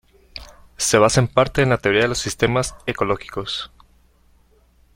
Se basa en parte en la teoría de sistemas ecológicos.